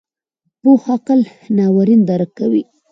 پوخ عقل ناورین درکوي